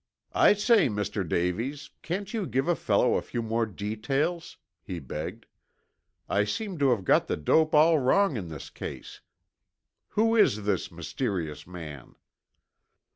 "I say, Mr. Davies, can't you give a fellow a few more details?" he begged. "I seem to have got the dope all wrong in this case. Who is this mysterious man?"